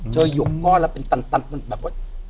เจอยกก้อนแล้วตันก็แบบว่า